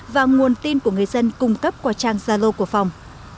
và nguồn tin của người dân cung cấp qua trang gia lô của phòng